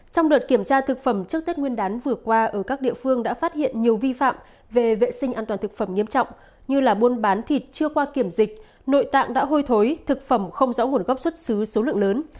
trong đợt kiểm tra thực phẩm trước tết nguyên đán vừa qua ở các địa phương đã phát hiện nhiều vi phạm về vệ sinh an toàn thực phẩm nghiêm trọng như là buôn bán thịt chưa qua kiểm dịch nội tạng đã hôi thối thực phẩm không rõ nguồn gốc xuất xứ số lượng lớn